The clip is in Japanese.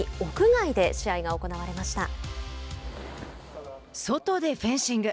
外でフェンシング。